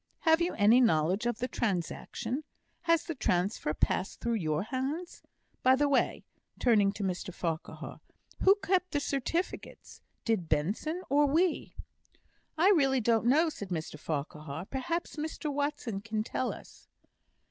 Have you any knowledge of the transaction? Has the transfer passed through your hands? By the way" (turning to Mr Farquhar), "who kept the certificates? Did Benson or we?" "I really don't know," said Mr Farquhar. "Perhaps Mr Watson can tell us."